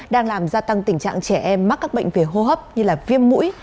đang làm gia tăng tình trạng trẻ em mắc các bệnh về hô hấp như viêm mũi